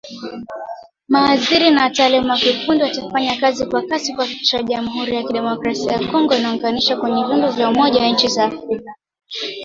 Mawaziri na wataalamu wa kiufundi watafanya kazi kwa kasi kuhakikisha jamuhuri ya kidemokrasia ya Kongo inaunganishwa kwenye vyombo vya umoja wa inchi za Afrika